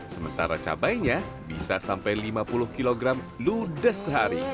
sementara cabainya bisa sampai lima puluh kg ludes sehari